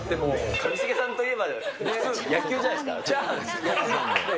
上重さんといえば普通、野球じゃないですか。